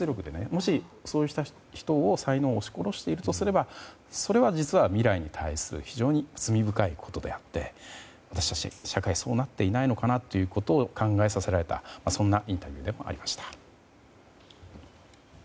もし、そういう人たちの才能を押し殺しているのであればそれは未来に対して非常に罪深いことであって私たちの社会がそうなっていないか考えさせられたインタビューでもありました。